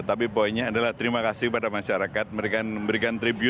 tapi poinnya adalah terima kasih kepada masyarakat mereka memberikan tribut